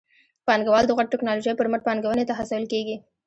پانګوال د غوره ټکنالوژۍ پر مټ پانګونې ته هڅول کېږي.